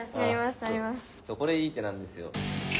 これいい手なんですよ。